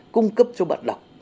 cung cấp cho bạn đọc